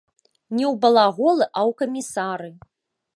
Не ў балаголы, а ў камісары.